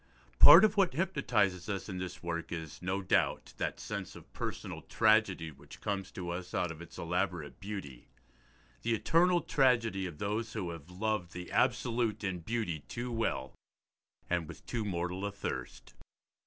Part of what hypnotises us in this work is, no doubt, that sense of personal tragedy which comes to us out of its elaborate beauty: the eternal tragedy of those who have loved the absolute in beauty too well, and with too mortal a thirst.